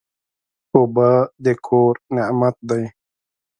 اوبه د کور نعمت دی.